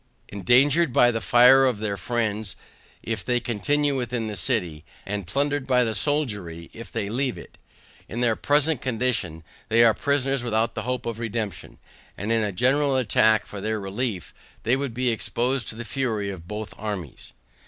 Endangered by the fire of their friends if they continue within the city, and plundered by the soldiery if they leave it. In their present condition they are prisoners without the hope of redemption, and in a general attack for their relief, they would be exposed to the fury of both armies.